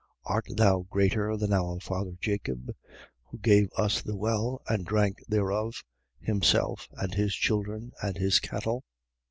4:12. Art thou greater than our father Jacob, who gave us the well and drank thereof, himself and his children and his cattle?